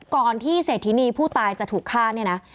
ก่อนที่เศรษฐีที่ผู้ตายจะถูกฆ่า